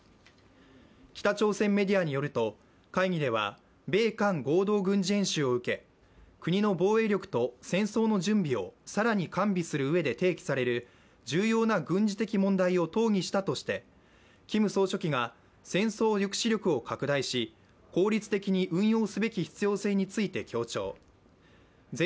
北朝鮮メディアによると会議では、米韓合同軍事演習を受け国の防衛力と戦争の準備を更に完備するうえで提起される重要な軍事的問題を討議したとしてキム総書記が戦争抑止力を拡大し、効率的に運用すべき必要性について強調。